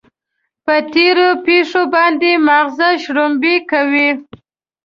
پر تېرو پېښو باندې ماغزه شړومبې کوو.